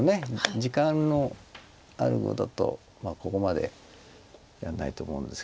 時間のある碁だとここまでやらないと思うんですけども。